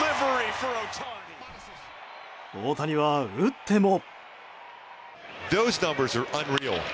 大谷は、打っても。